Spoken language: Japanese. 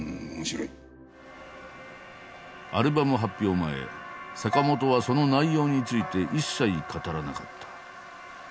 前坂本はその内容について一切語らなかった。